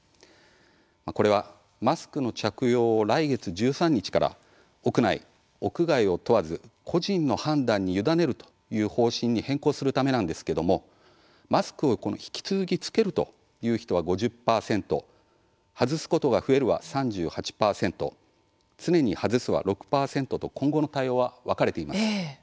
これはマスクの着用を来月１３日から屋内、屋外を問わず個人の判断に委ねるという方針に変更するためなんですけどもマスクを引き続きつけるという人は５０％外すことが増えるは３８％常に外すは６％と今後の対応は分かれています。